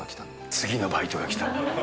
次のバイトが来た？